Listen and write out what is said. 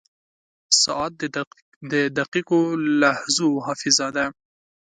• ساعت د دقیقو لحظو حافظه ده.